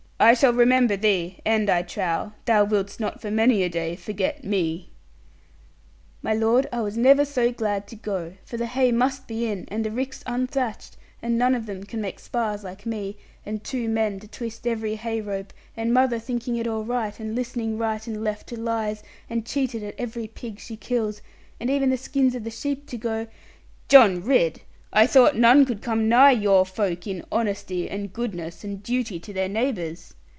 I shall remember thee; and I trow, thou wilt'st not for many a day forget me.' 'My lord, I was never so glad to go; for the hay must be in, and the ricks unthatched, and none of them can make spars like me, and two men to twist every hay rope, and mother thinking it all right, and listening right and left to lies, and cheated at every pig she kills, and even the skins of the sheep to go ' 'John Ridd, I thought none could come nigh your folk in honesty, and goodness, and duty to their neighbours!'